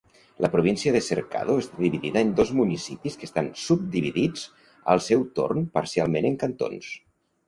La província de Cercado està dividida en dos municipis, que estan subdividits al seu torn parcialment en cantons.